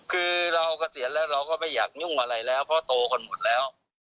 คือเราเกษียณแล้วเราก็ไม่อยากยุ่งอะไรแล้วเพราะโตกันหมดแล้ว